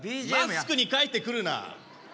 マスクに書いてくるな。